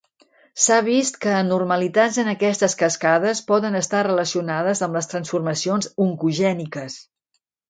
S’ha vist que anormalitats en aquestes cascades poden estar relacionades amb les transformacions oncogèniques.